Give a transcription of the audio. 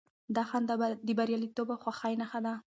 دا خندا د برياليتوب او خوښۍ نښه وه.